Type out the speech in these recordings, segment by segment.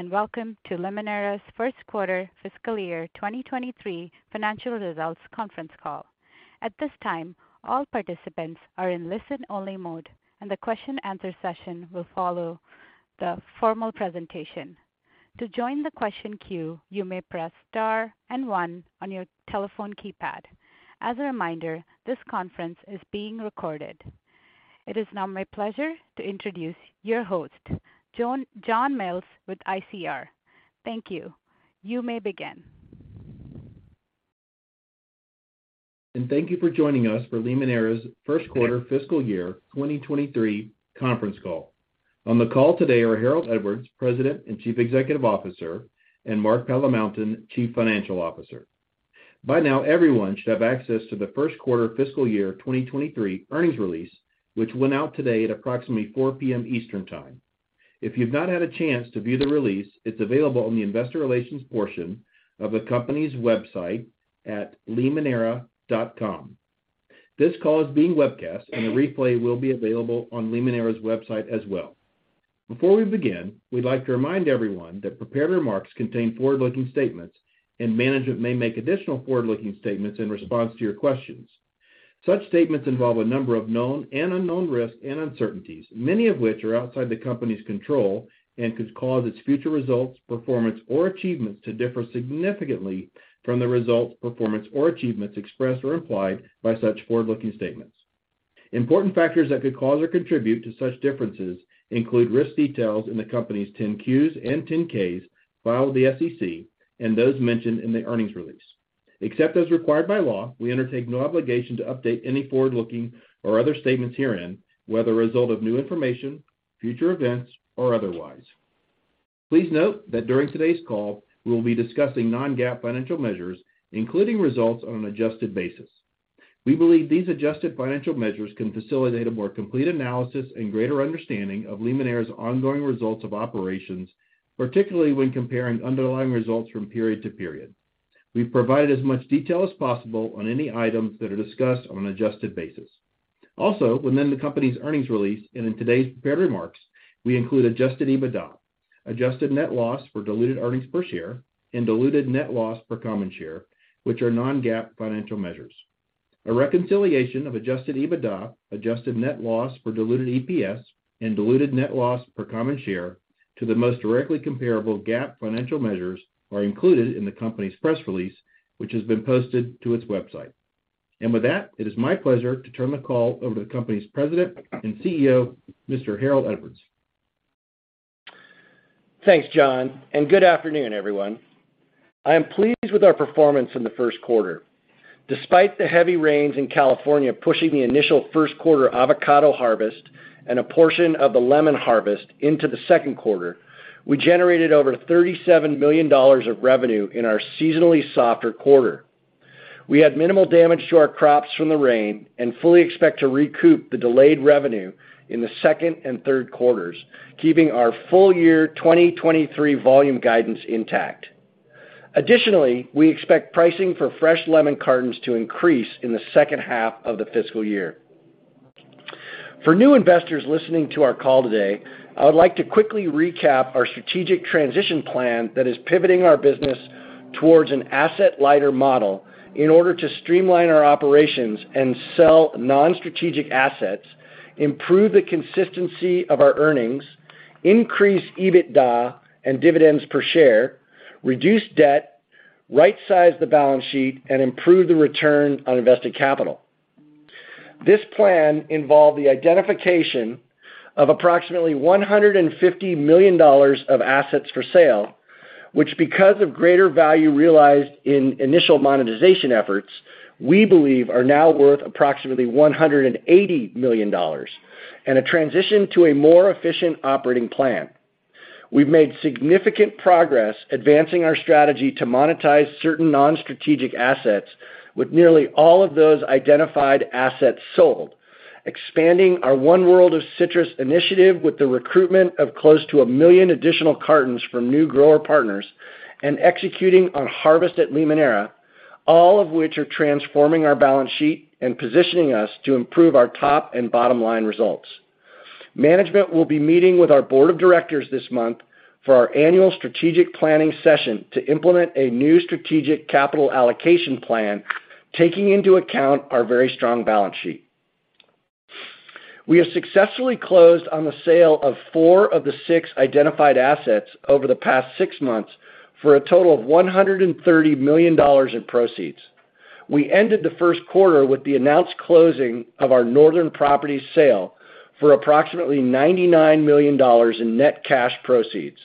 Thanks. Welcome to Limoneira's first quarter fiscal year 2023 financial results conference call. At this time, all participants are in listen-only mode. The question answer session will follow the formal presentation. To join the question queue, you may press star and one on your telephone keypad. As a reminder, this conference is being recorded. It is now my pleasure to introduce your host, John Mills with ICR. Thank you. You may begin. Thank you for joining us for Limoneira's first quarter fiscal year 2023 conference call. On the call today are Harold Edwards, President and Chief Executive Officer, and Mark Palamountain, Chief Financial Officer. By now, everyone should have access to the first quarter fiscal year 2023 earnings release, which went out today at approximately 4:00 P.M. Eastern Time. If you've not had a chance to view the release, it's available on the investor relations portion of the company's website at limoneira.com. This call is being webcast, and a replay will be available on Limoneira's website as well. Before we begin, we'd like to remind everyone that prepared remarks contain forward-looking statements, and management may make additional forward-looking statements in response to your questions. Such statements involve a number of known and unknown risks and uncertainties, many of which are outside the company's control and could cause its future results, performance, or achievements to differ significantly from the results, performance, or achievements expressed or implied by such forward-looking statements. Important factors that could cause or contribute to such differences include risk details in the company's 10-Qs and 10-Ks filed with the SEC and those mentioned in the earnings release. Except as required by law, we undertake no obligation to update any forward-looking or other statements herein, whether a result of new information, future events or otherwise. Please note that during today's call, we will be discussing non-GAAP financial measures, including results on an adjusted basis. We believe these adjusted financial measures can facilitate a more complete analysis and greater understanding of Limoneira's ongoing results of operations, particularly when comparing underlying results from period to period. We've provided as much detail as possible on any items that are discussed on an adjusted basis. Within the company's earnings release, and in today's prepared remarks, we include adjusted EBITDA, adjusted net loss for diluted earnings per share and diluted net loss per common share, which are non-GAAP financial measures. A reconciliation of adjusted EBITDA, adjusted net loss for diluted EPS and diluted net loss per common share to the most directly comparable GAAP financial measures are included in the company's press release, which has been posted to its website. With that, it is my pleasure to turn the call over to the company's President and CEO, Mr. Harold Edwards. Thanks, John. Good afternoon, everyone. I am pleased with our performance in the first quarter. Despite the heavy rains in California pushing the initial first quarter avocado harvest and a portion of the lemon harvest into the second quarter, we generated over $37 million of revenue in our seasonally softer quarter. We had minimal damage to our crops from the rain and fully expect to recoup the delayed revenue in the second and third quarters, keeping our full year 2023 volume guidance intact. Additionally, we expect pricing for fresh lemon cartons to increase in the second half of the fiscal year. For new investors listening to our call today, I would like to quickly recap our strategic transition plan that is pivoting our business towards an asset lighter model in order to streamline our operations and sell non-strategic assets, improve the consistency of our earnings, increase EBITDA and dividends per share, reduce debt, right-size the balance sheet, and improve the return on invested capital. This plan involved the identification of approximately $150 million of assets for sale, which, because of greater value realized in initial monetization efforts, we believe are now worth approximately $180 million and a transition to a more efficient operating plan. We've made significant progress advancing our strategy to monetize certain non-strategic assets with nearly all of those identified assets sold, expanding our One World of Citrus initiative with the recruitment of close to 1 million additional cartons from new grower partners and executing on harvest at Limoneira, all of which are transforming our balance sheet and positioning us to improve our top and bottom line results. Management will be meeting with our board of directors this month for our annual strategic planning session to implement a new strategic capital allocation plan, taking into account our very strong balance sheet. We have successfully closed on the sale of four of the six identified assets over the past six months for a total of $130 million in proceeds. We ended the first quarter with the announced closing of our northern property sale for approximately $99 million in net cash proceeds.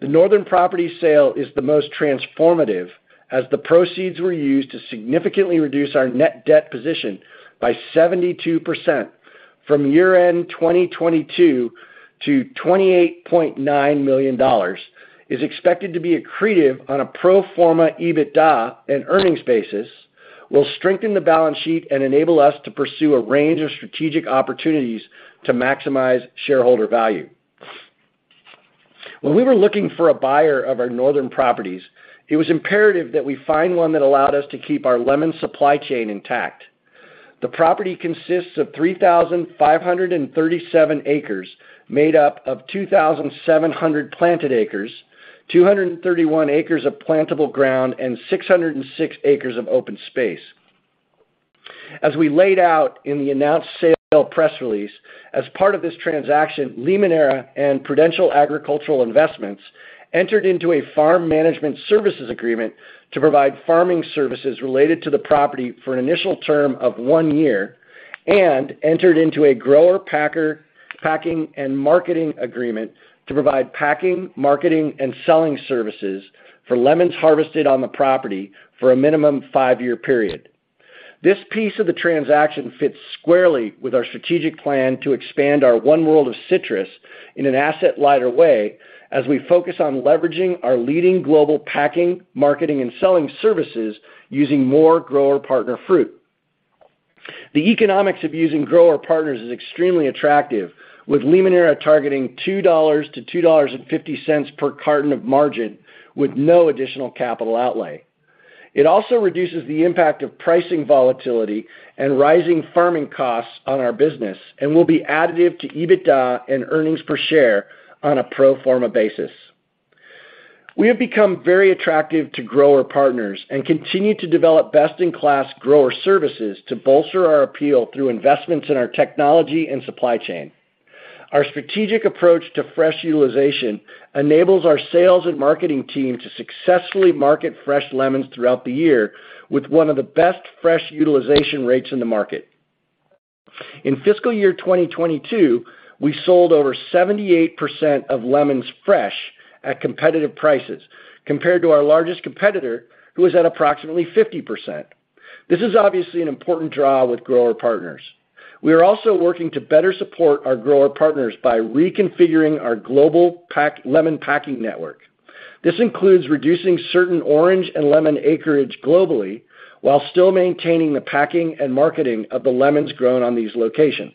The northern property sale is the most transformative as the proceeds were used to significantly reduce our net debt position by 72% from year-end 2022 to $28.9 million, is expected to be accretive on a pro forma EBITDA and earnings basis, will strengthen the balance sheet and enable us to pursue a range of strategic opportunities to maximize shareholder value. When we were looking for a buyer of our northern properties, it was imperative that we find one that allowed us to keep our lemon supply chain intact. The property consists of 3,537 acres made up of 2,700 planted acres, 231 acres of plantable ground, and 606 acres of open space. As we laid out in the announced sale press release, as part of this transaction, Limoneira and Prudential Agricultural Investments entered into a farm management services agreement to provide farming services related to the property for an initial term of one year and entered into a grower, packer, packing, and marketing agreement to provide packing, marketing, and selling services for lemons harvested on the property for a minimum five-year period. This piece of the transaction fits squarely with our strategic plan to expand our One World of Citrus in an asset-lighter way as we focus on leveraging our leading global packing, marketing, and selling services using more grower partner fruit. The economics of using grower partners is extremely attractive, with Limoneira targeting $2.00-$2.50 per carton of margin with no additional capital outlay. It also reduces the impact of pricing volatility and rising farming costs on our business and will be additive to EBITDA and earnings per share on a pro forma basis. We have become very attractive to grower partners and continue to develop best-in-class grower services to bolster our appeal through investments in our technology and supply chain. Our strategic approach to fresh utilization enables our sales and marketing team to successfully market fresh lemons throughout the year with one of the best fresh utilization rates in the market. In fiscal year 2022, we sold over 78% of lemons fresh at competitive prices compared to our largest competitor, who is at approximately 50%. This is obviously an important draw with grower partners. We are also working to better support our grower partners by reconfiguring our global lemon packing network. This includes reducing certain orange and lemon acreage globally while still maintaining the packing and marketing of the lemons grown on these locations.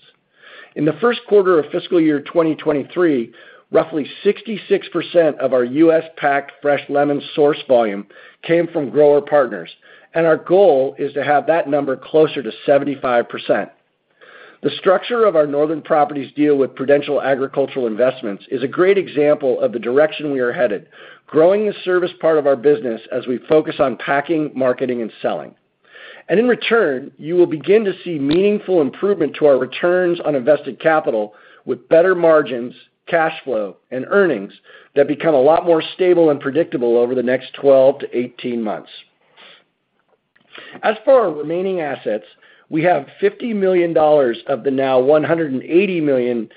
In the first quarter of fiscal year 2023, roughly 66% of our U.S.-packed fresh lemon source volume came from grower partners, and our goal is to have that number closer to 75%. The structure of our Northern Properties deal with Prudential Agricultural Investments is a great example of the direction we are headed, growing the service part of our business as we focus on packing, marketing, and selling. In return, you will begin to see meaningful improvement to our returns on invested capital with better margins, cash flow, and earnings that become a lot more stable and predictable over the next 12-18 months. As for our remaining assets, we have $50 million of the now $180 million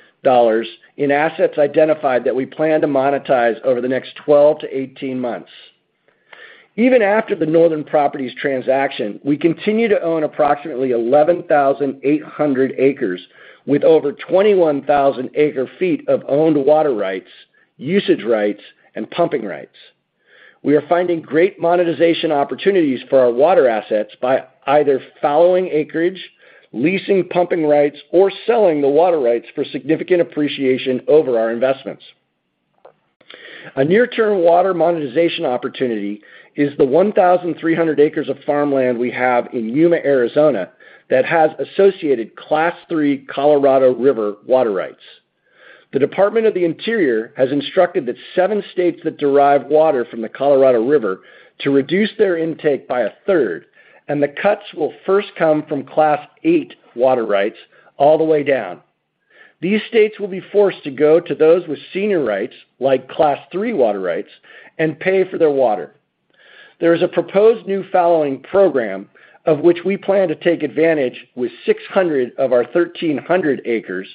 in assets identified that we plan to monetize over the next 12-18 months. Even after the Northern Properties transaction, we continue to own approximately 11,800 acres with over 21,000 acre-feet of owned water rights, usage rights, and pumping rights. We are finding great monetization opportunities for our water assets by either fallowing acreage, leasing pumping rights, or selling the water rights for significant appreciation over our investments. A near-term water monetization opportunity is the 1,300 acres of farmland we have in Yuma, Arizona, that has associated Class three Colorado River water rights. The Department of the Interior has instructed that seven states that derive water from the Colorado River to reduce their intake by a third, and the cuts will first come from Class eight water rights all the way down. These states will be forced to go to those with senior rights, like Class three water rights, and pay for their water. There is a proposed new fallowing program of which we plan to take advantage with 600 of our 1,300 acres,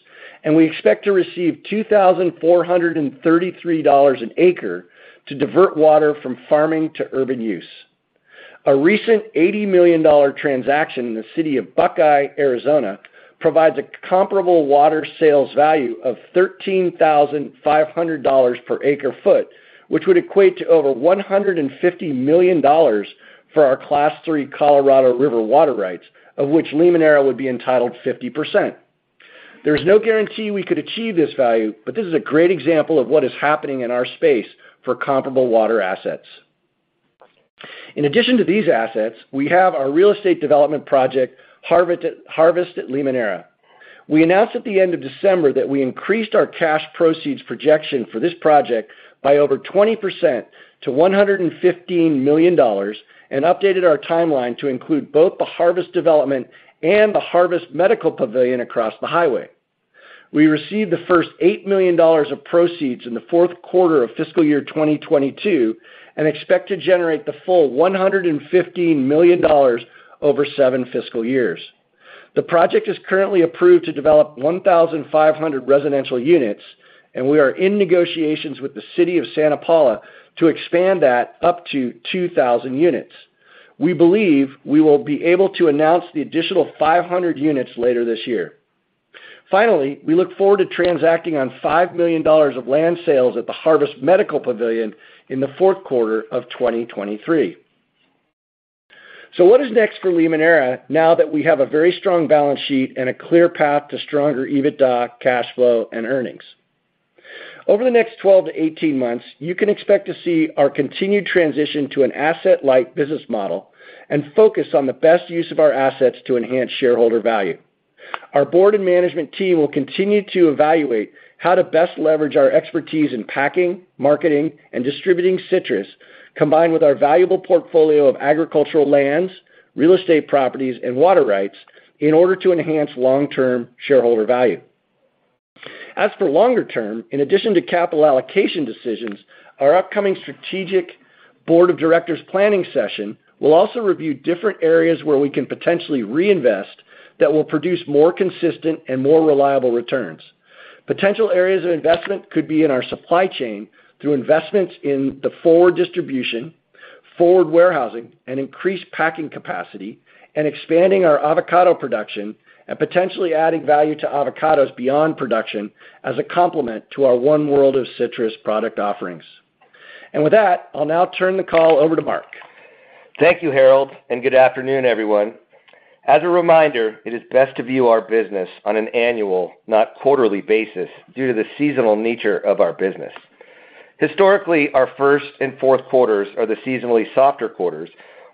and we expect to receive $2,433 an acre to divert water from farming to urban use. A recent $80 million transaction in the city of Buckeye, Arizona, provides a comparable water sales value of $13,500 per acre-foot, which would equate to over $150 million for our Class three Colorado River water rights, of which Limoneira would be entitled 50%. There is no guarantee we could achieve this value, but this is a great example of what is happening in our space for comparable water assets. In addition to these assets, we have our real estate development project, Harvest at Limoneira. We announced at the end of December that we increased our cash proceeds projection for this project by over 20% to $115 million and updated our timeline to include both the Harvest development and the Harvest Medical Pavilion across the highway. We received the first $8 million of proceeds in the fourth quarter of fiscal year 2022 and expect to generate the full $115 million over seven fiscal years. The project is currently approved to develop 1,500 residential units, and we are in negotiations with the City of Santa Paula to expand that up to 2,000 units. We believe we will be able to announce the additional 500 units later this year. Finally, we look forward to transacting on $5 million of land sales at the Harvest Medical Pavilion in the fourth quarter of 2023. What is next for Limoneira now that we have a very strong balance sheet and a clear path to stronger EBITDA, cash flow, and earnings? Over the next 12 to 18 months, you can expect to see our continued transition to an asset-light business model and focus on the best use of our assets to enhance shareholder value. Our board and management team will continue to evaluate how to best leverage our expertise in packing, marketing, and distributing citrus, combined with our valuable portfolio of agricultural lands, real estate properties, and water rights in order to enhance long-term shareholder value. As for longer term, in addition to capital allocation decisions, our upcoming strategic board of directors planning session will also review different areas where we can potentially reinvest that will produce more consistent and more reliable returns. Potential areas of investment could be in our supply chain through investments in the forward distribution, forward warehousing, and increased packing capacity, and expanding our avocado production and potentially adding value to avocados beyond production as a complement to our One World of Citrus product offerings. With that, I'll now turn the call over to Mark. Thank you, Harold. Good afternoon, everyone. As a reminder, it is best to view our business on an annual, not quarterly basis due to the seasonal nature of our business. Historically, our first and fourth quarters are the seasonally softer quarters,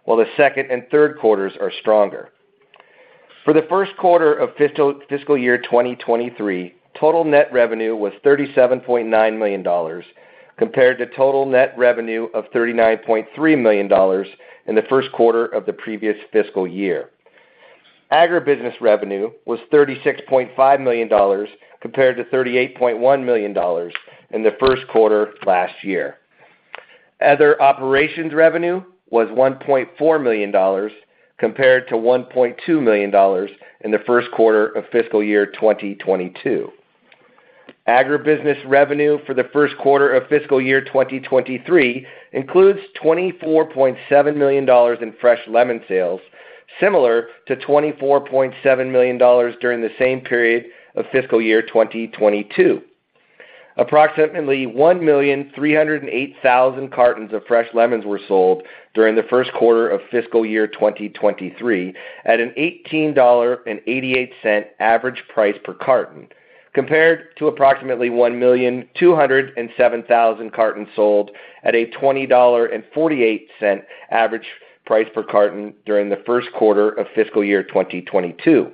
while the second and third quarters are stronger. For the first quarter of fiscal year 2023, total net revenue was $37.9 million compared to total net revenue of $39.3 million in the first quarter of the previous fiscal year. Agribusiness revenue was $36.5 million compared to $38.1 million in the first quarter last year. Other operations revenue was $1.4 million compared to $1.2 million in the first quarter of fiscal year 2022. Agribusiness revenue for the first quarter of fiscal year 2023 includes $24.7 million in fresh lemon sales, similar to $24.7 million during the same period of fiscal year 2022. Approximately 1,308,000 cartons of fresh lemons were sold during the first quarter of fiscal year 2023 at an $18.88 average price per carton, compared to approximately 1,207,000 cartons sold at a $20.48 average price per carton during the first quarter of fiscal year 2022.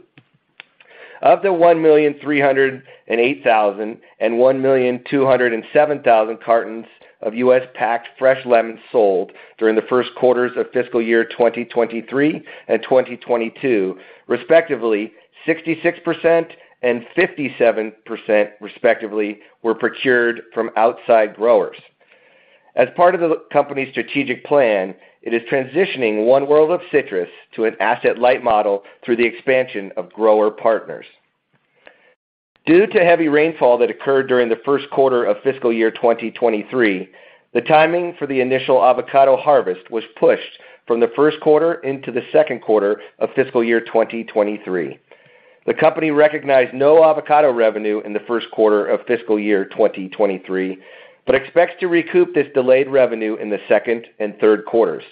Of the 1,308,000 and 1,207,000 cartons of U.S.-packed fresh lemons sold during the first quarters of fiscal year 2023 and 2022, respectively, 66% and 57% respectively were procured from outside growers. As part of the company's strategic plan, it is transitioning One World of Citrus to an asset-light model through the expansion of grower partners. Due to heavy rainfall that occurred during the first quarter of fiscal year 2023, the timing for the initial avocado harvest was pushed from the first quarter into the second quarter of fiscal year 2023. The company recognized no avocado revenue in the first quarter of fiscal year 2023, expects to recoup this delayed revenue in the second and third quarters.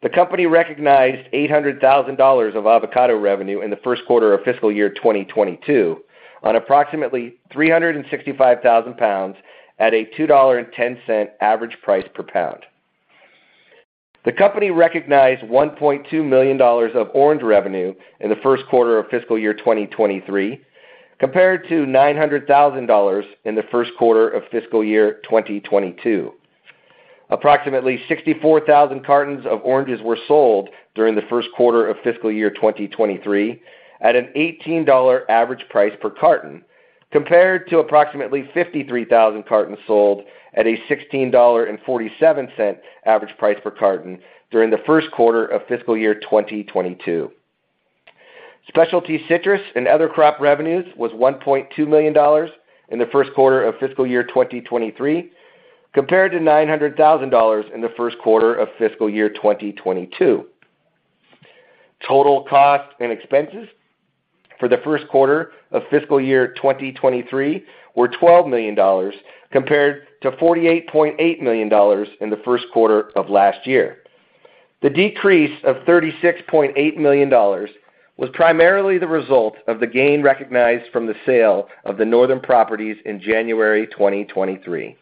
The company recognized $800,000 of avocado revenue in the first quarter of fiscal year 2022 on approximately 365,000 lbs at a $2.10 average price per lbs. The company recognized $1.2 million of orange revenue in the first quarter of fiscal year 2023 compared to $900,000 in the first quarter of fiscal year 2022. Approximately 64,000 cartons of oranges were sold during the first quarter of fiscal year 2023 at an $18 average price per carton compared to approximately 53,000 cartons sold at a $16.47 average price per carton during the first quarter of fiscal year 2022. Specialty citrus and other crop revenues was $1.2 million in the first quarter of fiscal year 2023 compared to $900,000 in the first quarter of fiscal year 2022. Total costs and expenses for the first quarter of fiscal year 2023 were $12 million compared to $48.8 million in the first quarter of last year. The decrease of $36.8 million was primarily the result of the gain recognized from the sale of the northern properties in January 2023.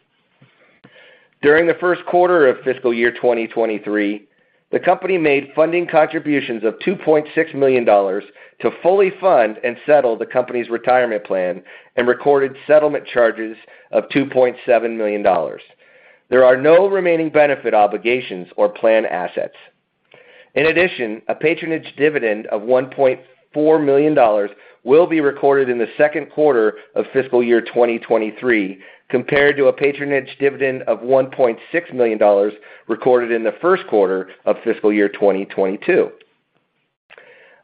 During the first quarter of fiscal year 2023, the company made funding contributions of $2.6 million to fully fund and settle the company's retirement plan and recorded settlement charges of $2.7 million. There are no remaining benefit obligations or plan assets. A patronage dividend of $1.4 million will be recorded in the second quarter of fiscal year 2023 compared to a patronage dividend of $1.6 million recorded in the first quarter of fiscal year 2022.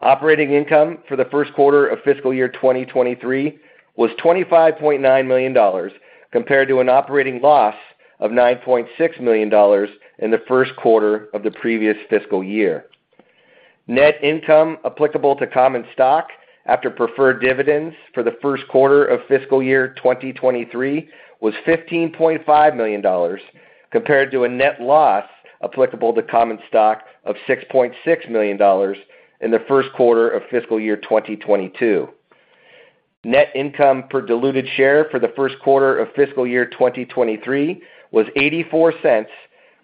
Operating income for the first quarter of fiscal year 2023 was $25.9 million compared to an operating loss of $9.6 million in the first quarter of the previous fiscal year. Net income applicable to common stock after preferred dividends for the first quarter of fiscal year 2023 was $15.5 million compared to a net loss Applicable to common stock of $6.6 million in the first quarter of fiscal year 2022. Net income per diluted share for the first quarter of fiscal year 2023 was $0.84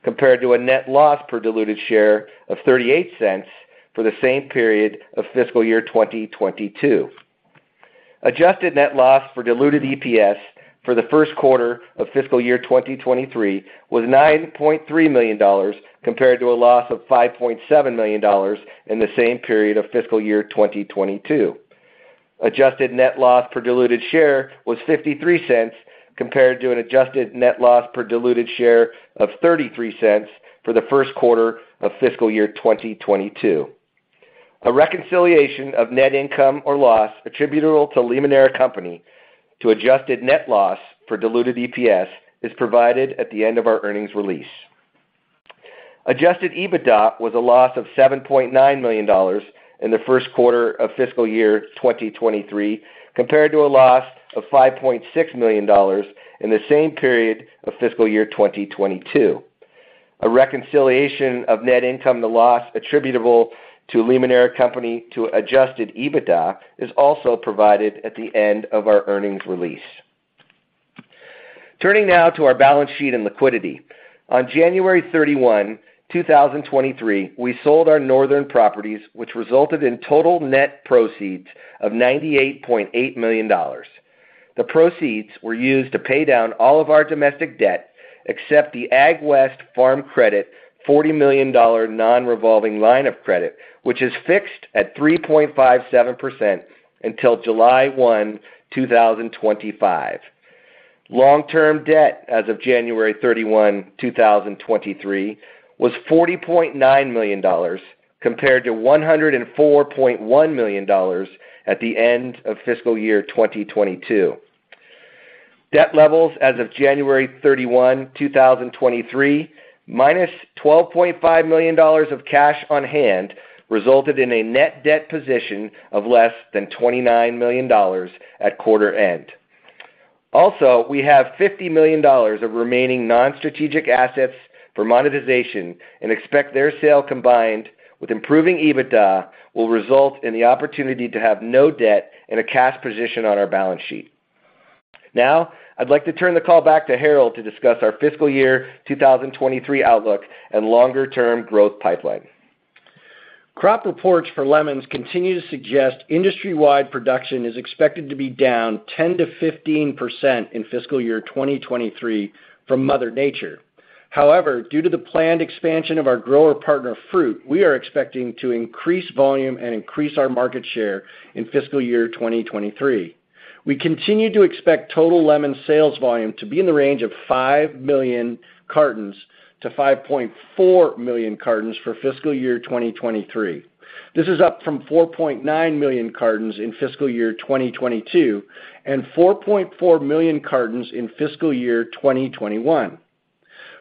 compared to a net loss per diluted share of $0.38 for the same period of fiscal year 2022. Adjusted net loss for diluted EPS for the first quarter of fiscal year 2023 was $9.3 million compared to a loss of $5.7 million in the same period of fiscal year 2022. Adjusted net loss per diluted share was $0.53 compared to an adjusted net loss per diluted share of $0.33 for the first quarter of fiscal year 2022. A reconciliation of net income or loss attributable to Limoneira Company to adjusted net loss for diluted EPS is provided at the end of our earnings release. Adjusted EBITDA was a loss of $7.9 million in the first quarter of fiscal year 2023 compared to a loss of $5.6 million in the same period of fiscal year 2022. A reconciliation of net income the loss attributable to Limoneira Company to adjusted EBITDA is also provided at the end of our earnings release. Turning now to our balance sheet and liquidity. On January 31, 2023, we sold our northern properties, which resulted in total net proceeds of $98.8 million. The proceeds were used to pay down all of our domestic debt except the AgWest Farm Credit $40 million non-revolving line of credit, which is fixed at 3.57% until July 1, 2025. Long-term debt as of January 31, 2023 was $40.9 million compared to $104.1 million at the end of fiscal year 2022. Debt levels as of January 31, 2023, minus $12.5 million of cash on hand resulted in a net debt position of less than $29 million at quarter end. We have $50 million of remaining non-strategic assets for monetization and expect their sale combined with improving EBITDA will result in the opportunity to have no debt in a cash position on our balance sheet. I'd like to turn the call back to Harold to discuss our fiscal year 2023 outlook and longer-term growth pipeline. Crop reports for lemons continue to suggest industry-wide production is expected to be down 10%-15% in fiscal year 2023 from Mother Nature. However, due to the planned expansion of our grower partner fruit, we are expecting to increase volume and increase our market share in fiscal year 2023. We continue to expect total lemon sales volume to be in the range of 5 million-5.4 million cartons for fiscal year 2023. This is up from 4.9 million cartons in fiscal year 2022 and 4.4 million cartons in fiscal year 2021.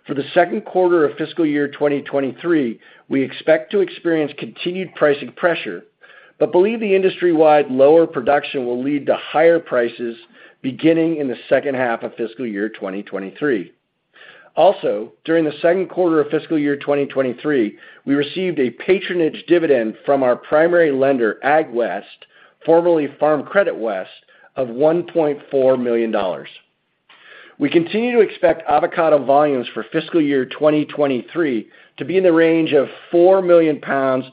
For the second quarter of fiscal year 2023, we expect to experience continued pricing pressure, but believe the industry-wide lower production will lead to higher prices beginning in the second half of fiscal year 2023. Also, during the second quarter of fiscal year 2023, we received a patronage dividend from our primary lender, AgWest, formerly Farm Credit West, of $1.4 million. We continue to expect avocado volumes for fiscal year 2023 to be in the range of 4 million-5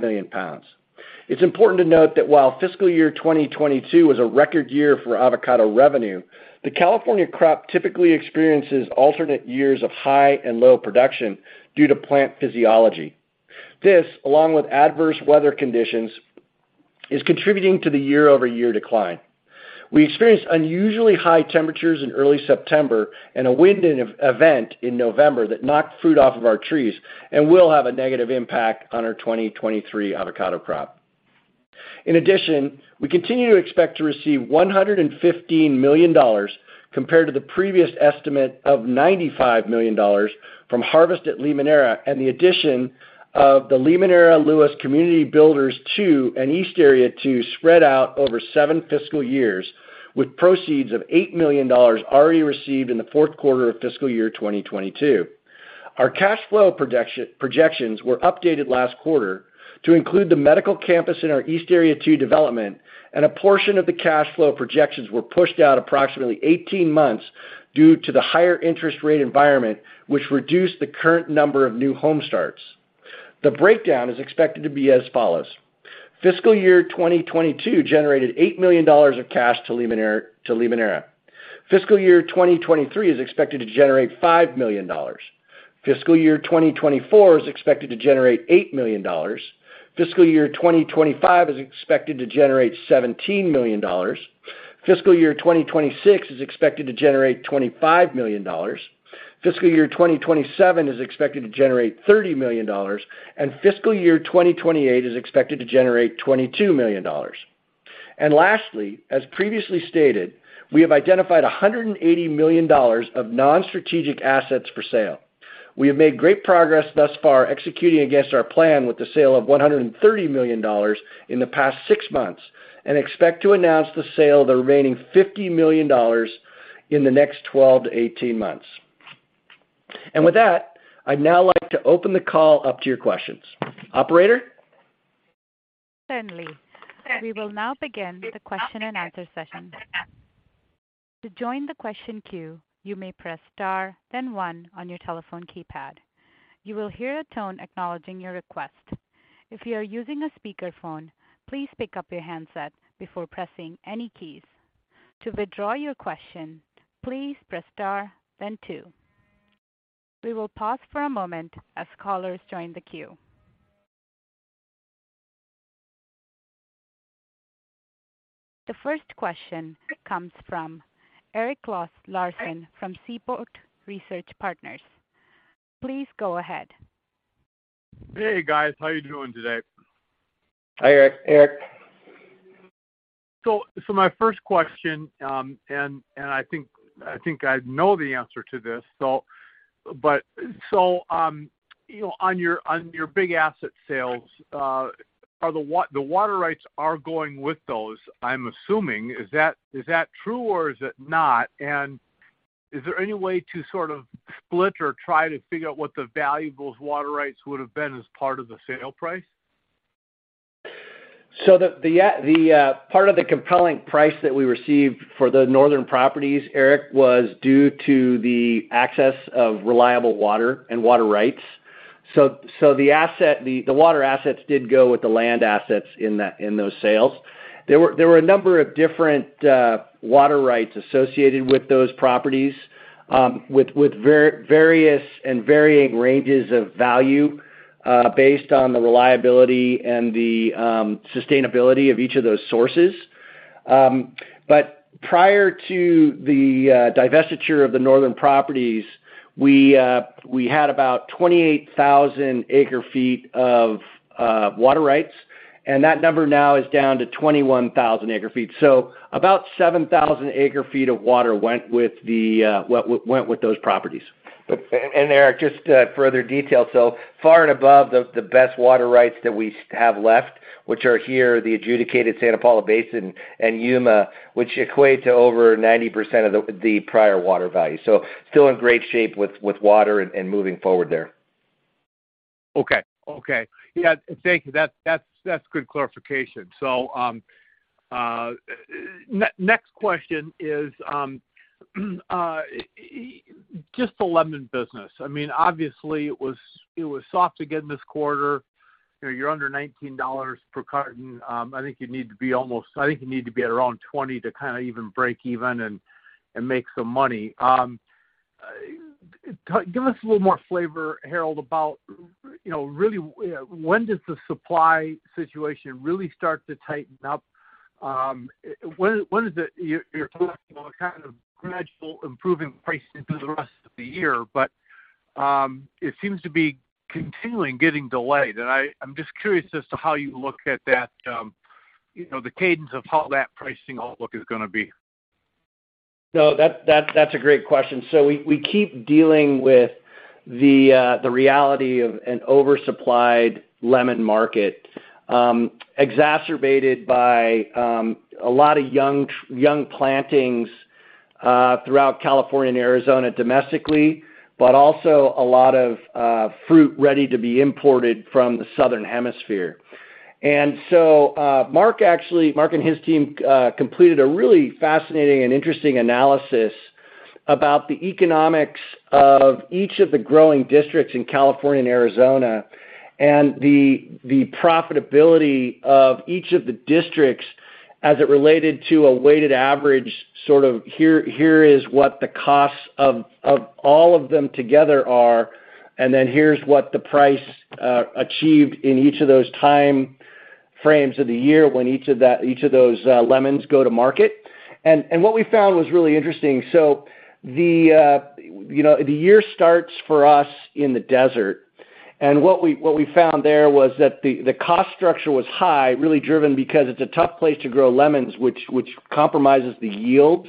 million lbs. It's important to note that while fiscal year 2022 was a record year for avocado revenue, the California crop typically experiences alternate years of high and low production due to plant physiology. This, along with adverse weather conditions, is contributing to the year-over-year decline. We experienced unusually high temperatures in early September and a wind event in November that knocked fruit off of our trees and will have a negative impact on our 2023 avocado crop. We continue to expect to receive $115 million compared to the previous estimate of $95 million from Harvest at Limoneira and the addition of the Limoneira Lewis Community Builders II and East Area II spread out over seven fiscal years, with proceeds of $8 million already received in the fourth quarter of fiscal year 2022. Our cash flow projections were updated last quarter to include the medical campus in our East Area II development. A portion of the cash flow projections were pushed out approximately 18 months due to the higher interest rate environment, which reduced the current number of new home starts. The breakdown is expected to be as follows: Fiscal year 2022 generated $8 million of cash to Limoneira. Fiscal year 2023 is expected to generate $5 million. Fiscal year 2024 is expected to generate $8 million. Fiscal year 2025 is expected to generate $17 million. Fiscal year 2026 is expected to generate $25 million. Fiscal year 2027 is expected to generate $30 million. Fiscal year 2028 is expected to generate $22 million. Lastly, as previously stated, we have identified $180 million of non-strategic assets for sale. We have made great progress thus far executing against our plan with the sale of $130 million in the past six months. And expect to announce the sale of the remaining $50 million in the next 12-18 months. With that, I'd now like to open the call up to your questions. Operator? Certainly. We will now begin the question and answer session. To join the question queue, you may press star, then one on your telephone keypad. You will hear a tone acknowledging your request. If you are using a speakerphone, please pick up your handset before pressing any keys. To withdraw your question, please press star then two. We will pause for a moment as callers join the queue. The first question comes from Eric Larson from Seaport Research Partners. Please go ahead. Hey, guys. How are you doing today? Hi, Eric. Eric. My first question, I think I know the answer to this. You know, on your big asset sales, are the water rights going with those, I'm assuming? Is that true or is it not? Is there any way to sort of split or try to figure out what the value those water rights would have been as part of the sale price? The part of the compelling price that we received for the northern properties, Eric, was due to the access of reliable water and water rights. The asset, the water assets did go with the land assets in that, in those sales. There were a number of different water rights associated with those properties, with various and varying ranges of value, based on the reliability and the sustainability of each of those sources. Prior to the divestiture of the northern properties, we had about 28,000 acre-feet of water rights, and that number now is down to 21,000 acre-feet. About 7,000 acre-feet of water went with those properties. Eric, just further detail. Far and above the best water rights that we have left, which are here, the adjudicated Santa Paula Basin and Yuma, which equate to over 90% of the prior water value. Still in great shape with water and moving forward there. Okay. Okay. Yeah, thank you. That's good clarification. Next question is Just the lemon business. I mean, obviously it was soft again this quarter. You know, you're under $19 per carton. I think you need to be at around 20 to kind of even break even and make some money. Give us a little more flavor, Harold, about, you know, really when does the supply situation really start to tighten up? When is it you're talking about kind of gradual improving pricing through the rest of the year, but it seems to be continually getting delayed. I'm just curious as to how you look at that, you know, the cadence of how that pricing outlook is gonna be. No. That's a great question. We keep dealing with the reality of an oversupplied lemon market, exacerbated by a lot of young plantings throughout California and Arizona domestically, but also a lot of fruit ready to be imported from the southern hemisphere. Mark, actually, Mark and his team completed a really fascinating and interesting analysis about the economics of each of the growing districts in California and Arizona, and the profitability of each of the districts as it related to a weighted average, sort of here is what the costs of all of them together are, and then here's what the price achieved in each of those time frames of the year when each of those lemons go to market. What we found was really interesting. The, you know, the year starts for us in the desert. What we found there was that the cost structure was high, really driven because it's a tough place to grow lemons, which compromises the yields.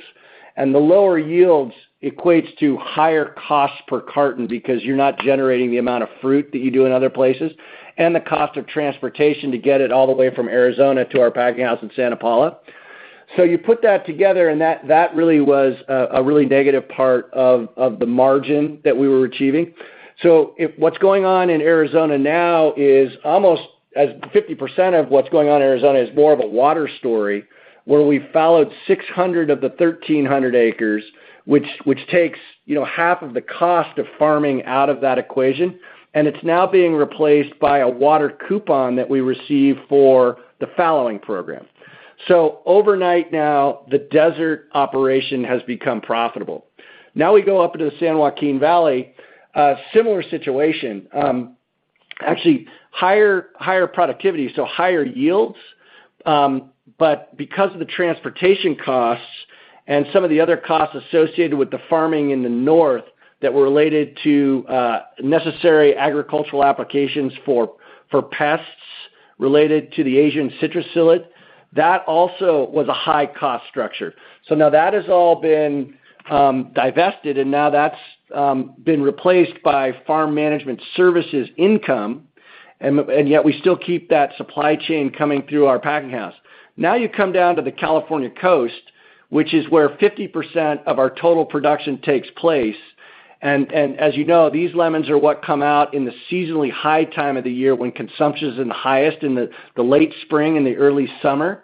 The lower yields equates to higher costs per carton because you're not generating the amount of fruit that you do in other places, and the cost of transportation to get it all the way from Arizona to our packing house in Santa Paula. You put that together, and that really was a really negative part of the margin that we were achieving. If what's going on in Arizona now is almost as 50% of what's going on in Arizona is more of a water story, where we fallowed 600 of the 1,300 acres, which takes, you know, half of the cost of farming out of that equation. It's now being replaced by a water coupon that we receive for the fallowing program. Overnight now, the desert operation has become profitable. We go up into the San Joaquin Valley, similar situation. Actually higher productivity, so higher yields. Because of the transportation costs and some of the other costs associated with the farming in the north that were related to necessary agricultural applications for pests related to the Asian citrus psyllid, that also was a high cost structure. Now that has all been divested, and now that's been replaced by farm management services income. Yet we still keep that supply chain coming through our packing house. You come down to the California coast, which is where 50% of our total production takes place. As you know, these lemons are what come out in the seasonally high time of the year when consumption is in the highest in the late spring and the early summer.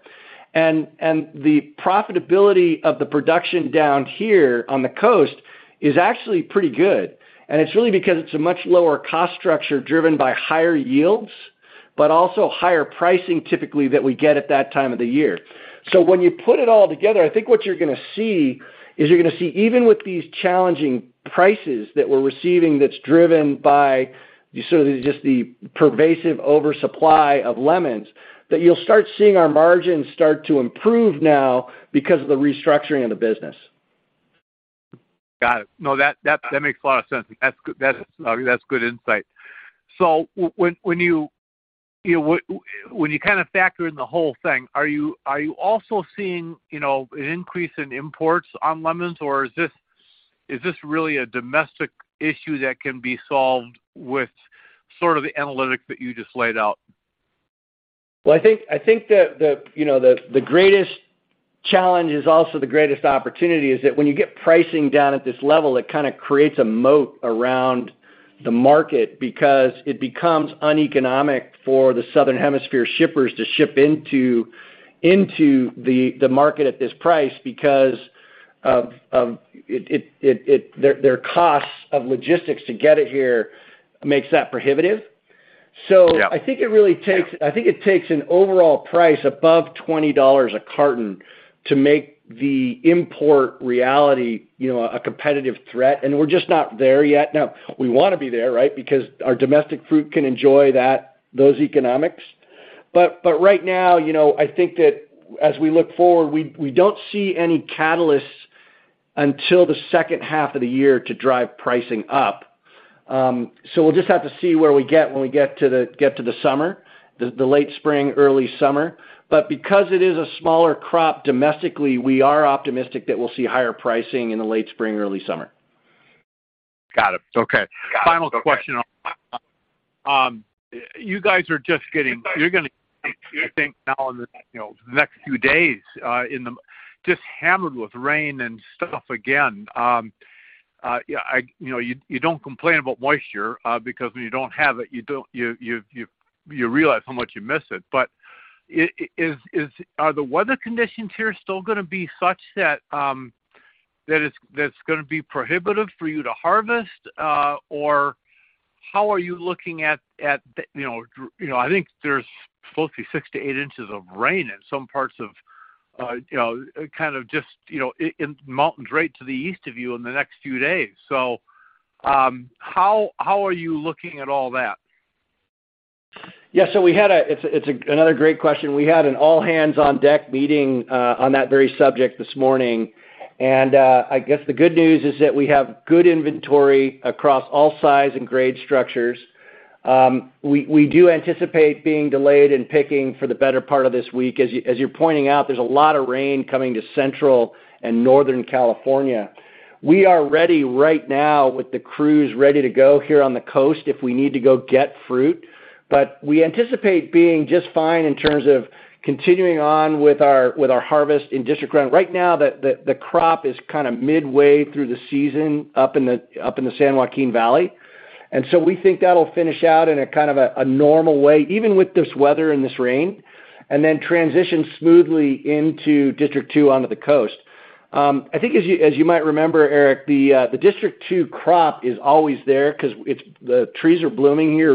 The profitability of the production down here on the coast is actually pretty good, and it's really because it's a much lower cost structure driven by higher yields, but also higher pricing typically that we get at that time of the year. When you put it all together, I think what you're gonna see is you're gonna see even with these challenging prices that we're receiving that's driven by sort of just the pervasive oversupply of lemons, that you'll start seeing our margins start to improve now because of the restructuring of the business. Got it. No, that makes a lot of sense. That's good. That's good insight. When, when you know, when you kind of factor in the whole thing, are you also seeing, you know, an increase in imports on lemons, or is this really a domestic issue that can be solved with sort of the analytics that you just laid out? Well, I think that the, you know, the greatest challenge is also the greatest opportunity is that when you get pricing down at this level, it kind of creates a moat around the market because it becomes uneconomic for the Southern Hemisphere shippers to ship into the market at this price because of their costs of logistics to get it here makes that prohibitive. Yeah. I think it takes an overall price above $20 a carton to make the import reality, you know, a competitive threat, and we're just not there yet. We want to be there, right? Because our domestic fruit can enjoy that, those economics. Right now, you know, I think that as we look forward, we don't see any catalysts until the second half of the year to drive pricing up. We'll just have to see where we get when we get to the summer, the late spring, early summer. Because it is a smaller crop domestically, we are optimistic that we'll see higher pricing in the late spring, early summer. Got it. Okay. Final question on. You're gonna, I think now in the, you know, the next few days, just hammered with rain and stuff again. Yeah, you know, you don't complain about moisture, because when you don't have it, you don't, you realize how much you miss it. Are the weather conditions here still gonna be such that it's, that's gonna be prohibitive for you to harvest? How are you looking at, you know, you know, I think there's supposed to be six-eight in of rain in some parts of, you know, kind of just, you know, in mountains right to the east of you in the next few days. How are you looking at all that? It's another great question. We had an all hands on deck meeting on that very subject this morning. I guess the good news is that we have good inventory across all size and grade structures. We do anticipate being delayed in picking for the better part of this week. As you, as you're pointing out, there's a lot of rain coming to Central and Northern California. We are ready right now with the crews ready to go here on the coast if we need to go get fruit. We anticipate being just fine in terms of continuing on with our harvest in District one. Right now, the crop is kind of midway through the season up in the San Joaquin Valley. We think that'll finish out in a kind of a normal way, even with this weather and this rain, and then transition smoothly into District two onto the coast. I think as you might remember, Eric, the District two crop is always there 'cause the trees are blooming here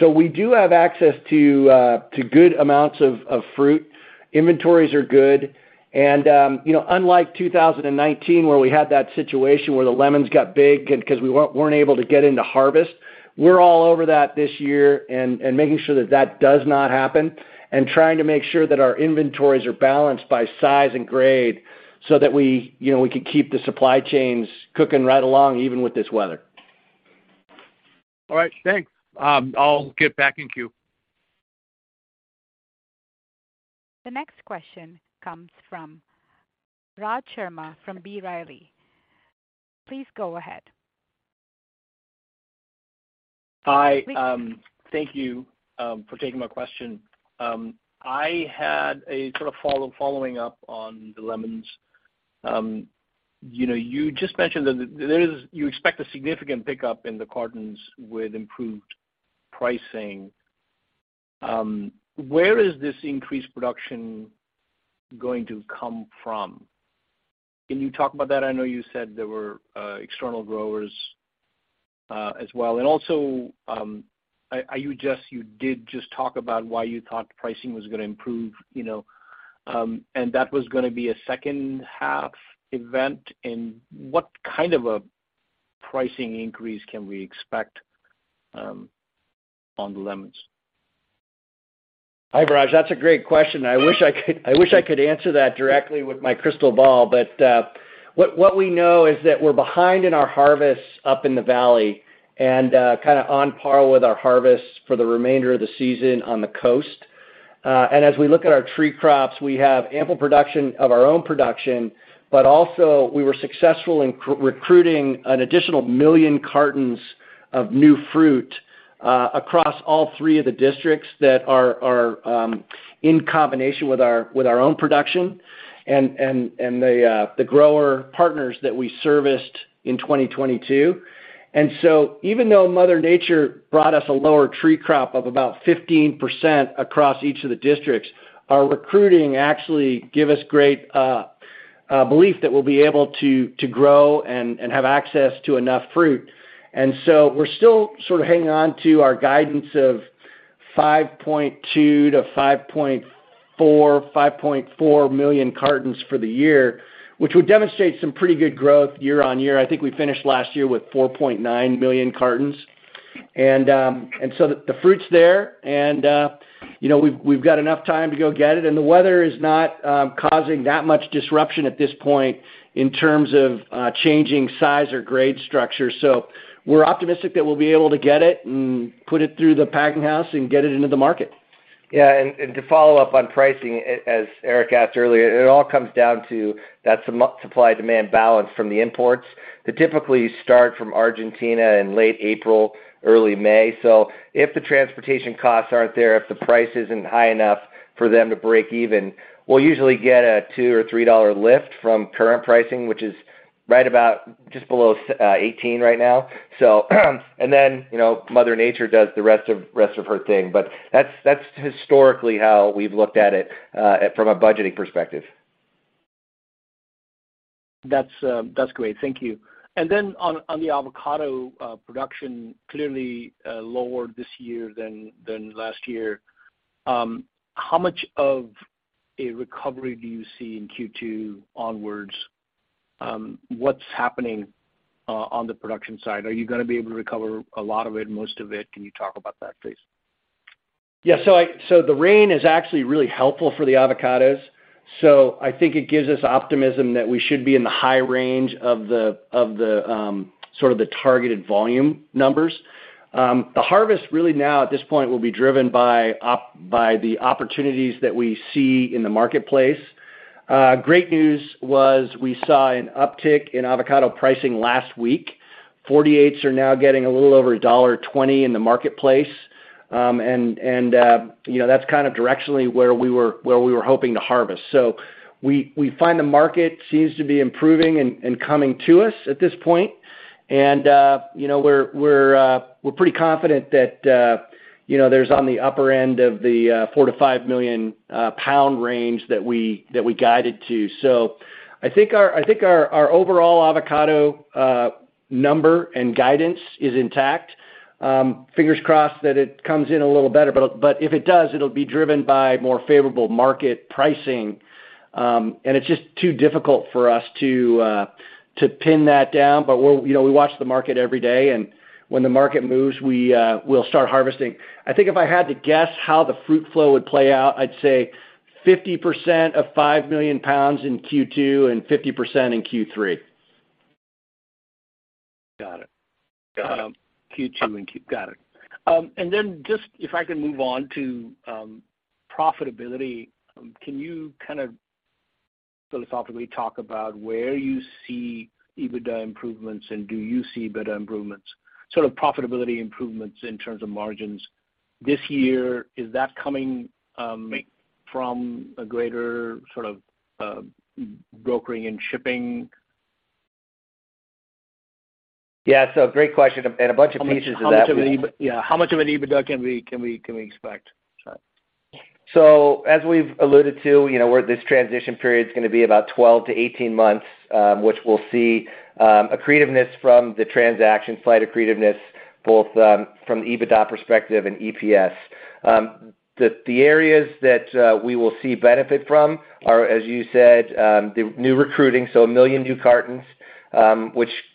year-round. We do have access to good amounts of fruit. Inventories are good. And you know, unlike 2019 where we had that situation where the lemons got big 'cause we weren't able to get into harvest, we're all over that this year and making sure that that does not happen, and trying to make sure that our inventories are balanced by size and grade so that we, you know, we can keep the supply chains cooking right along, even with this weather. All right. Thanks. I'll get back in queue. The next question comes from Raj Sharma from B. Riley. Please go ahead. Hi. Thank you for taking my question. I had a sort of following up on the lemons. You know, you just mentioned that you expect a significant pickup in the cartons with improved pricing. Where is this increased production going to come from? Can you talk about that? I know you said there were external growers as well. Also, you did just talk about why you thought pricing was gonna improve, you know, and that was gonna be a second half event. What kind of a pricing increase can we expect on the lemons? Hi, Raj. That's a great question. I wish I could, I wish I could answer that directly with my crystal ball. What we know is that we're behind in our harvest up in the valley and kind of on par with our harvest for the remainder of the season on the coast. As we look at our tree crops, we have ample production of our own production, but also we were successful in recruiting an additional 1 million cartons of new fruit across all three of the districts that are in combination with our own production and the grower partners that we serviced in 2022. Even though Mother Nature brought us a lower tree crop of about 15% across each of the districts, our recruiting actually give us great belief that we'll be able to grow and have access to enough fruit. We're still sort of hanging on to our guidance of 5.2 million-5.4 million cartons for the year, which would demonstrate some pretty good growth year-on-year. I think I finished last year with 4.9 million cartons. The fruit's there, you know, we've got enough time to go get it, and the weather is not causing that much disruption at this point in terms of changing size or grade structure. We're optimistic that we'll be able to get it and put it through the packing house and get it into the market. Yeah. To follow up on pricing, as Eric asked earlier, it all comes down to that sum-supply-demand balance from the imports that typically start from Argentina in late April, early May. If the transportation costs aren't there, if the price isn't high enough for them to break even, we'll usually get a $2 or $3 lift from current pricing, which is right about just below 18 right now. You know, Mother Nature does the rest of her thing. That's historically how we've looked at it from a budgeting perspective. That's great. Thank you. Then on the avocado production, clearly lower this year than last year, how much of a recovery do you see in Q2 onwards? What's happening on the production side? Are you gonna be able to recover a lot of it, most of it? Can you talk about that, please? Yeah. The rain is actually really helpful for the avocados. I think it gives us optimism that we should be in the high range of the targeted volume numbers. The harvest really now at this point will be driven by the opportunities that we see in the marketplace. Great news was we saw an uptick in avocado pricing last week. 48s are now getting a little over $1.20 in the marketplace, and, you know, that's kind of directionally where we were hoping to harvest. We find the market seems to be improving and coming to us at this point. You know, we're pretty confident that, you know, there's on the upper end of the 4 million-5 million lbs range that we guided to. I think our overall avocado number and guidance is intact. Fingers crossed that it comes in a little better, but if it does, it'll be driven by more favorable market pricing. It's just too difficult for us to pin that down. You know, we watch the market every day, and when the market moves, we'll start harvesting. I think if I had to guess how the fruit flow would play out, I'd say 50% of 5 million lbs in Q2 and 50% in Q3. Got it. Q2 and Q... Got it. Then just if I can move on to profitability, can you kind of philosophically talk about where you see EBITDA improvements, and do you see EBITDA improvements, sort of profitability improvements in terms of margins this year? Is that coming from a greater sort of brokering and shipping? Yeah. Great question. A bunch of pieces of that. How much of an EBITDA can we expect? Sorry. As we've alluded to, you know, where this transition period is gonna be about 12-18 months, which we'll see accretiveness from the transaction, slight accretiveness both from the EBITDA perspective and EPS. The areas that we will see benefit from are, as you said, the new recruiting, so 1 million new cartons,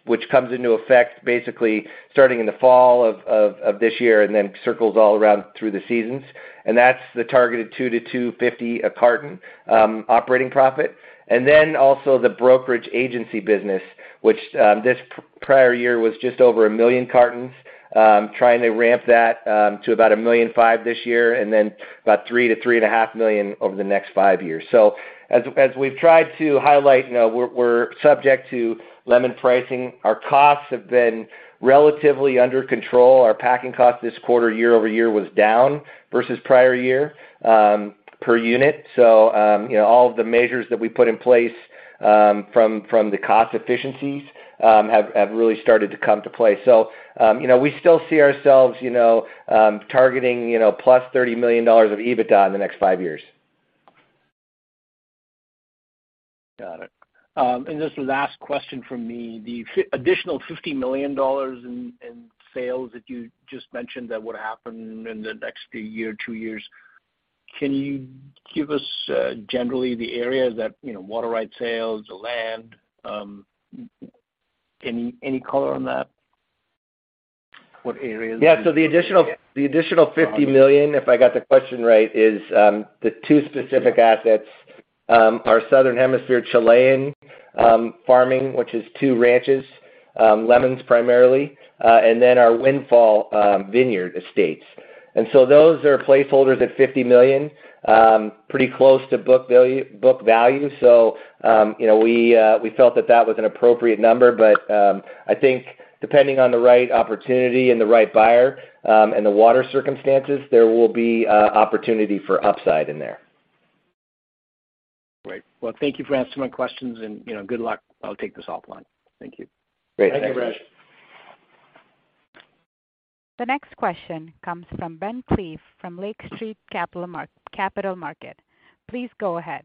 which comes into effect basically starting in the fall of this year and then circles all around through the seasons. That's the targeted $2-$2.50 a carton operating profit. Then also the brokerage agency business, which this prior year was just over 1 million cartons. Trying to ramp that to about 1.5 million this year and then about 3 million-3.5 million over the next five years. As we've tried to highlight, you know, we're subject to lemon pricing. Our costs have been relatively under control. Our packing cost this quarter year-over-year was down versus prior year per unit. All of the measures that we put in place from the cost efficiencies have really started to come to play. We still see ourselves, you know, targeting, you know, plus $30 million of EBITDA in the next five years. Got it. This is the last question from me. The additional $50 million in sales that you just mentioned that would happen in the next year, two years, can you give us generally the areas that, you know, water right sales, the land, any color on that? What areas- Yeah. The additional $50 million, if I got the question right, is, the two specific assets. Our southern hemisphere Chilean farming, which is two ranches, lemons primarily, and then our Windfall vineyard estates. Those are placeholders at $50 million, pretty close to book value. You know, we felt that that was an appropriate number. I think depending on the right opportunity and the right buyer, and the water circumstances, there will be opportunity for upside in there. Great. Well, thank you for answering my questions and, you know, good luck. I'll take this offline. Thank you. Great. Thank you. Thanks, Eric. The next question comes from Ben Klieve from Lake Street Capital Markets. Please go ahead.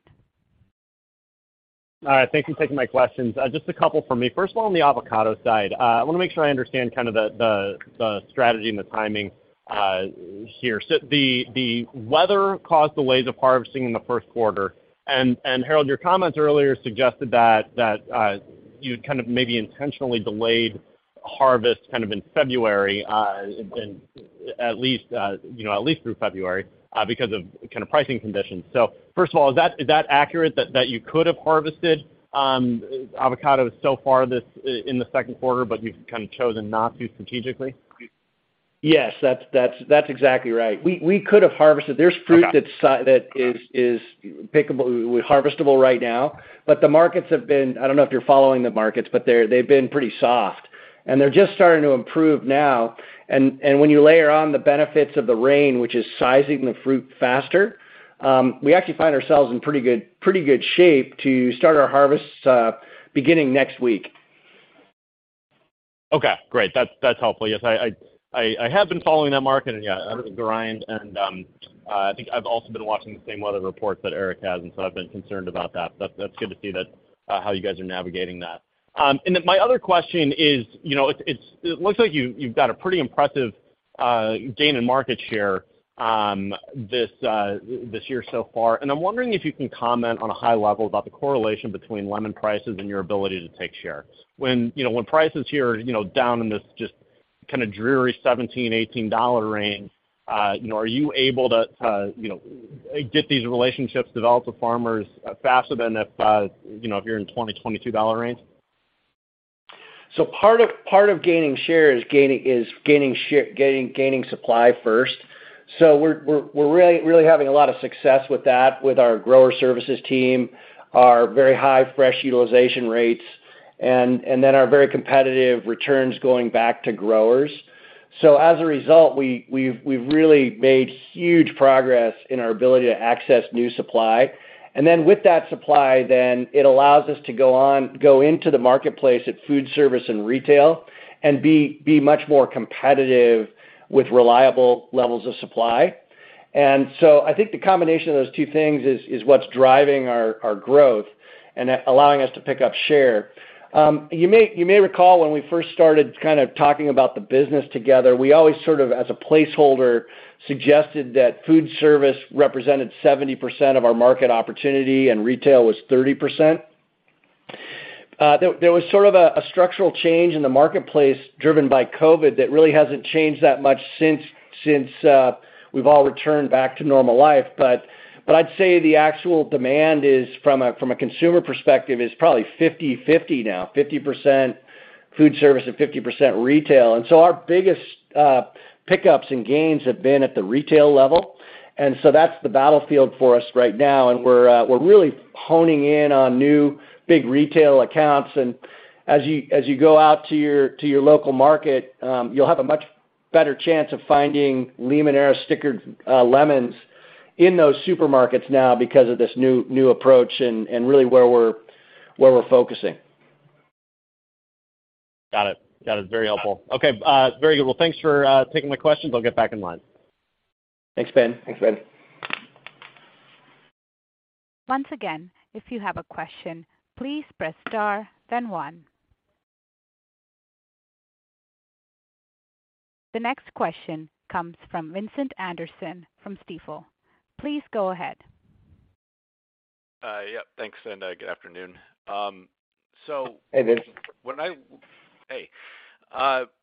All right. Thank you for taking my questions. Just a couple from me. First of all, on the avocado side, I wanna make sure I understand kind of the strategy and the timing here. The weather caused delays of harvesting in the first quarter. Harold, your comments earlier suggested that you'd kind of maybe intentionally delayed harvest kind of in February, in, at least, you know, at least through February, because of kind of pricing conditions. First of all, is that accurate that you could have harvested avocados so far this in the second quarter, but you've kind of chosen not to strategically? Yes, that's exactly right. We could have harvested... There's fruit that is pickable, harvestable right now, but the markets have been... I don't know if you're following the markets, but they've been pretty soft, and they're just starting to improve now. When you layer on the benefits of the rain, which is sizing the fruit faster, we actually find ourselves in pretty good shape to start our harvest, beginning next week. Great. That's helpful. Yes, I have been following that market and yeah, I live in grind and, I think I've also been watching the same weather reports that Eric has, and so I've been concerned about that. That's good to see that how you guys are navigating that. My other question is, you know, it looks like you've got a pretty impressive gain in market share this year so far, and I'm wondering if you can comment on a high level about the correlation between lemon prices and your ability to take share. When, you know, when prices here are, you know, down in this just kinda dreary $17-$18 range, you know, are you able to, you know, get these relationships developed with farmers faster than if, you know, if you're in $20-$22 range? Part of gaining share is gaining supply first. We're really having a lot of success with that with our grower services team, our very high fresh utilization rates, and then our very competitive returns going back to growers. As a result, we've really made huge progress in our ability to access new supply. With that supply then, it allows us to go into the marketplace at food service and retail and be much more competitive with reliable levels of supply. I think the combination of those two things is what's driving our growth and allowing us to pick up share. You may recall when we first started kind of talking about the business together, we always sort of, as a placeholder, suggested that food service represented 70% of our market opportunity and retail was 30%. There was sort of a structural change in the marketplace driven by COVID that really hasn't changed that much since we've all returned back to normal life. I'd say the actual demand is, from a consumer perspective, is probably 50/50 now, 50% food service and 50% retail. Our biggest pickups and gains have been at the retail level, and so that's the battlefield for us right now. We're really honing in on new big retail accounts. As you go out to your local market, you'll have a much better chance of finding Limoneira stickered lemons in those supermarkets now because of this new approach and really where we're focusing. Got it. Got it. Very helpful. Okay, very good. Well, thanks for taking my questions. I'll get back in line. Thanks, Ben. Thanks, Ben. Once again, if you have a question, please press star then one. The next question comes from Vincent Anderson from Stifel. Please go ahead. Yeah, thanks, and good afternoon. Hey, Vincent. Hey.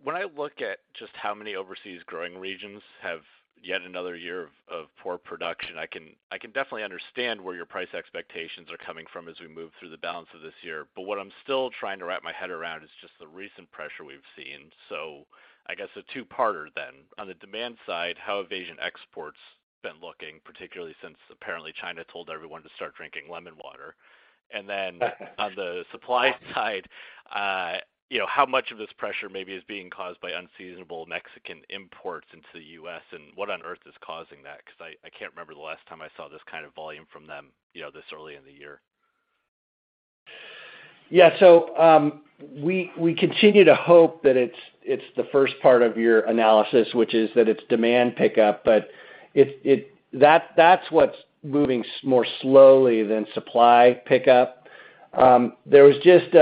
When I look at just how many overseas growing regions have yet another year of poor production, I can definitely understand where your price expectations are coming from as we move through the balance of this year. What I'm still trying to wrap my head around is just the recent pressure we've seen. I guess a two-parter then. On the demand side, how have Asian exports been looking, particularly since apparently China told everyone to start drinking lemon water? On the supply side, you know, how much of this pressure maybe is being caused by unseasonable Mexican imports into the U.S., and what on earth is causing that? 'Cause I can't remember the last time I saw this kind of volume from them, you know, this early in the year. We continue to hope that it's the first part of your analysis, which is that it's demand pickup, but that's what's moving more slowly than supply pickup. There's just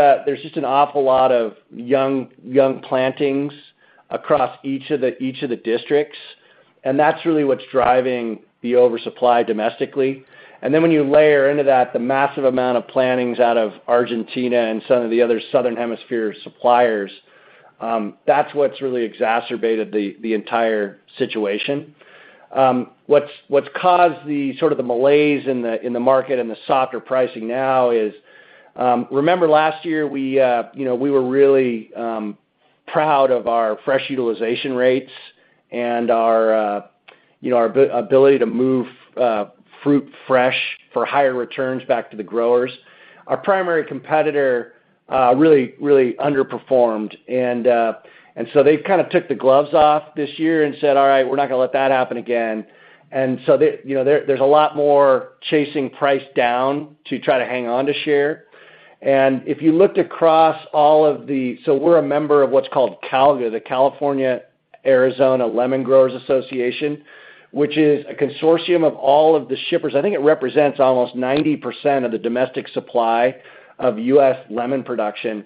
an awful lot of young plantings across each of the districts, and that's really what's driving the oversupply domestically. When you layer into that the massive amount of plantings out of Argentina and some of the other Southern Hemisphere suppliers, that's what's really exacerbated the entire situation. What's caused the sort of the malaise in the market and the softer pricing now is, remember last year, we, you know, we were really proud of our fresh utilization rates and our, you know, our ability to move fruit fresh for higher returns back to the growers. Our primary competitor really underperformed, they've kind of took the gloves off this year and said, "All right, we're not gonna let that happen again." They, you know, there's a lot more chasing price down to try to hang on to share. If you looked across all of the... we're a member of what's called CALGA, the California/Arizona Lemon Growers Association, which is a consortium of all of the shippers. I think it represents almost 90% of the domestic supply of U.S. lemon production.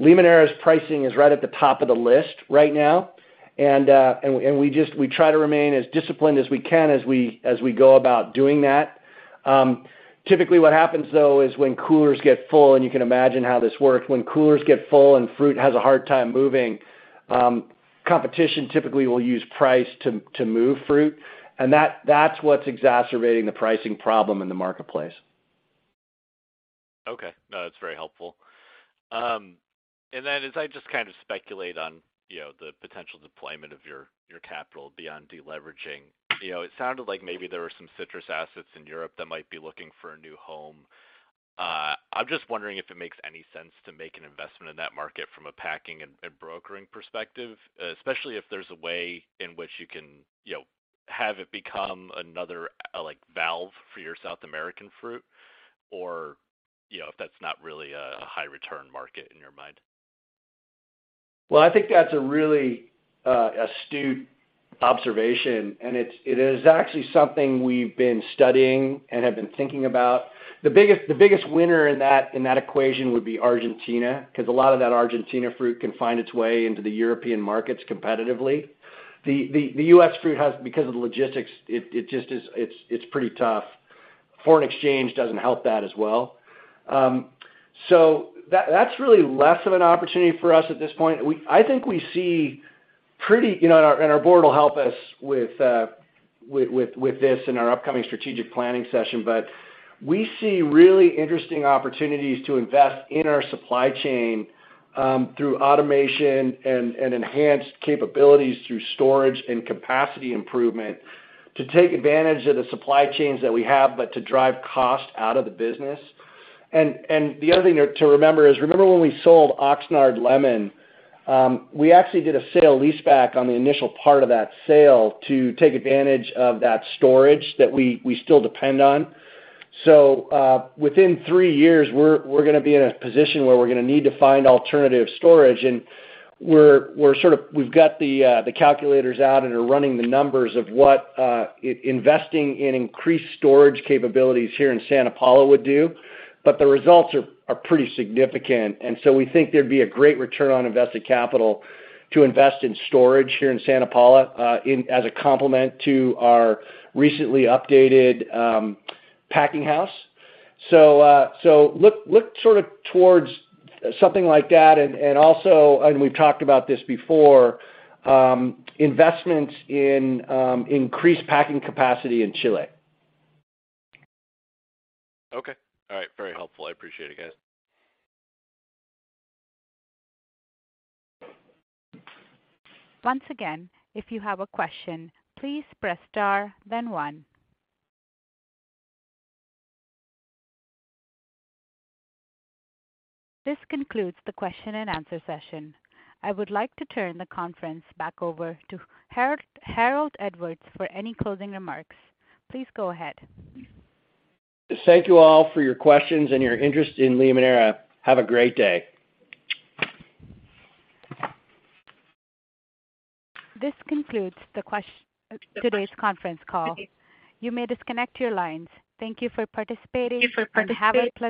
Limoneira's pricing is right at the top of the list right now, we try to remain as disciplined as we can as we go about doing that. Typically, what happens though is when coolers get full, and you can imagine how this works, when coolers get full and fruit has a hard time moving, competition typically will use price to move fruit, and that's what's exacerbating the pricing problem in the marketplace. Okay. No, that's very helpful. As I just kind of speculate on, you know, the potential deployment of your capital beyond deleveraging, you know, it sounded like maybe there were some citrus assets in Europe that might be looking for a new home. I'm just wondering if it makes any sense to make an investment in that market from a packing and brokering perspective, especially if there's a way in which you can, you know, have it become another, like, valve for your South American fruit or, you know, if that's not really a high return market in your mind? I think that's a really astute observation, and it is actually something we've been studying and have been thinking about. The biggest winner in that equation would be Argentina, 'cause a lot of that Argentina fruit can find its way into the European markets competitively. The U.S. fruit has because of the logistics, it just is, it's pretty tough. Foreign exchange doesn't help that as well. That's really less of an opportunity for us at this point. I think we see pretty, you know, and our, and our board will help us with this in our upcoming strategic planning session, but we see really interesting opportunities to invest in our supply chain, through automation and enhanced capabilities through storage and capacity improvement to take advantage of the supply chains that we have but to drive cost out of the business. The other thing to remember is remember when we sold Oxnard Lemon, we actually did a sale-leaseback on the initial part of that sale to take advantage of that storage that we still depend on. Within three years, we're gonna be in a position where we're gonna need to find alternative storage, and we've got the calculators out and are running the numbers of what investing in increased storage capabilities here in Santa Paula would do, but the results are pretty significant. We think there'd be a great return on invested capital to invest in storage here in Santa Paula, as a complement to our recently updated packing house. Look sorta towards something like that and also, we've talked about this before, investments in increased packing capacity in Chile. Okay. All right. Very helpful. I appreciate it, guys. Once again, if you have a question, please press Star, then one. This concludes the question and answer session. I would like to turn the conference back over to Harold Edwards for any closing remarks. Please go ahead. Thank you all for your questions and your interest in Limoneira. Have a great day. This concludes today's conference call. You may disconnect your lines. Thank you for participating. We have a